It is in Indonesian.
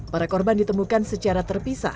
para korban ditemukan secara terpisah